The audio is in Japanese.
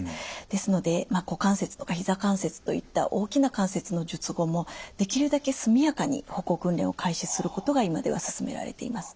ですので股関節とかひざ関節といった大きな関節の術後もできるだけ速やかに歩行訓練を開始することが今ではすすめられています。